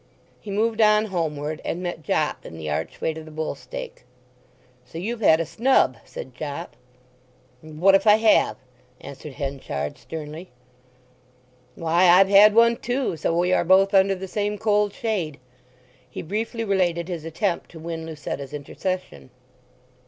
He moved on homeward, and met Jopp in the archway to the Bull Stake. "So you've had a snub," said Jopp. "And what if I have?" answered Henchard sternly. "Why, I've had one too, so we are both under the same cold shade." He briefly related his attempt to win Lucetta's intercession.